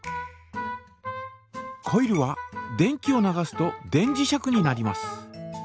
コイルは電気を流すと電磁石になります。